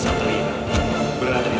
saya mengunjungi biara ren counselor